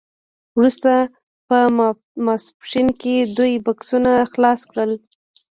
وروسته په ماسپښین کې دوی بکسونه خلاص کړل